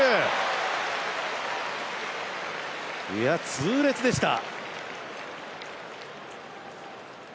痛烈でした！